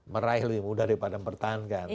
meraih lebih mudah daripada mempertahankan